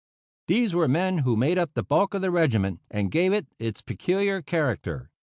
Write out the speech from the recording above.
These were the men who made up the bulk of the regiment, and gave it its peculiar character.